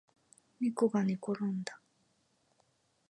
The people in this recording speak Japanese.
ねこがねころんだ